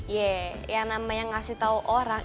ye yang namanya ngasih tahu orang